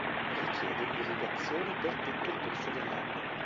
Richiede irrigazioni per tutto il corso dell'anno.